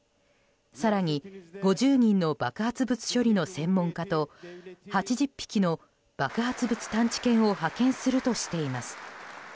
更に、５０人の爆発物処理の専門家と８０匹の爆発物探知犬を派遣するとしています。